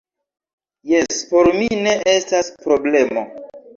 Jes, por mi ne estas problemo